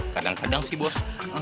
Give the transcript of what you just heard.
kadang kadang sih bos